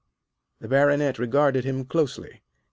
The Baronet regarded him closely.